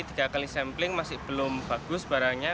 tiga kali sampling masih belum bagus barangnya